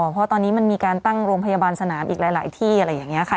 เพราะตอนนี้มันมีการตั้งโรงพยาบาลสนามอีกหลายที่อะไรอย่างนี้ค่ะ